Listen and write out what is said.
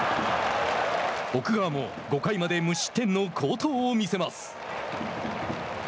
奥川も５回まで無失点の好投を見せます。